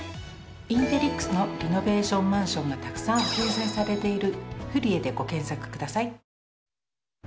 インテリックスのリノベーションマンションがたくさん掲載されている「フリエ」でご検索ください。